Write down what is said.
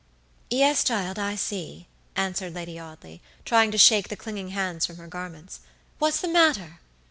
"Yes, child, I see," answered Lady Audley, trying to shake the clinging hands from her garments. "What's the matter?"